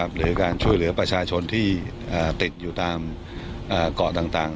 หรือการช่วยเหลือประชาชนที่ติดอยู่ตามเกาะต่าง